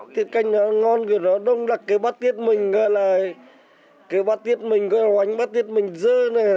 tiết canh nó ngon nó đông đặc cái bát tiết mình là cái bát tiết mình có hoánh bát tiết mình dơ này